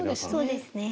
そうですね。